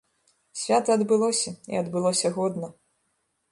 Свята адбылося, і адбылося годна.